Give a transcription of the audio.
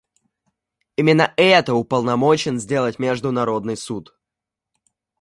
Именно это уполномочен сделать Международный Суд.